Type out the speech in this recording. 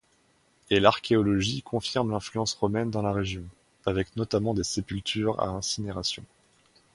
Et l'archéologie confirme l'influence romaine dans la région, avec notamment des sépultures à incinération.